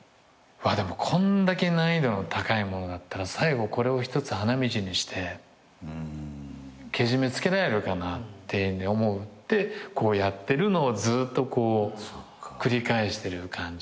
こんだけ難易度の高いものだったら最後これを一つ花道にしてけじめつけられるかなっていうふうに思ってこうやってるのをずっとこう繰り返してる感じ。